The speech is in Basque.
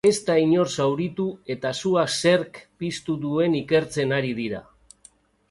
Ez da inor zauritu eta sua zerk piztu duen ikertzen ari dira.